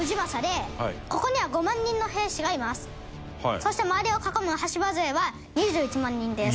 そして周りを囲む羽柴勢は２１万人です。